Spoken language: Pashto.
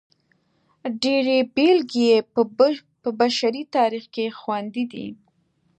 ډېرې بېلګې یې په بشري تاریخ کې خوندي دي.